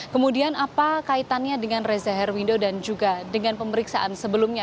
kemudian apa kaitannya dengan reza herwindo dan juga dengan pemeriksaan sebelumnya